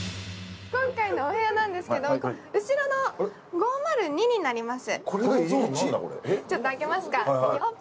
今回のお部屋なんですけど後ろの５０２になります。